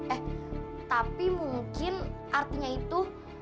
eh tapi mungkin artinya itu